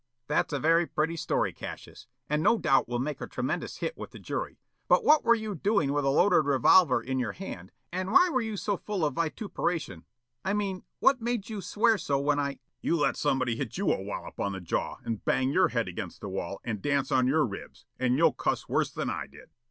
"That's a very pretty story, Cassius, and no doubt will make a tremendous hit with the jury, but what were you doing with a loaded revolver in your hand, and why were you so full of vituperation, I mean, what made you swear so when I " "You let somebody hit you a wallop on the jaw and bang your head against the wall and dance on your ribs, and you'll cuss worse than I did."